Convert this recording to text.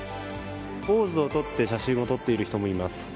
ポーズをとって写真を撮っている人もいます。